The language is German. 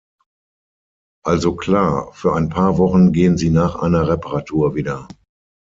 Also klar, für ein paar Wochen gehen sie nach einer Reparatur wieder.